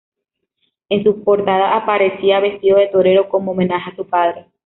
En su portada aparecía vestido de torero como homenaje a su padre.